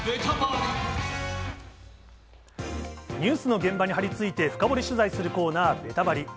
ニュースの現場に貼りついて深掘り取材するコーナー、ベタバリ！